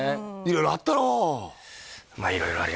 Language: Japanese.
色々あったろう？